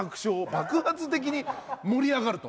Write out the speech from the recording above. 爆発的に盛り上がると。